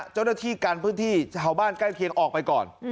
เจ้าหน้าที่กันพื้นที่ชาวบ้านใกล้เคียงออกไปก่อน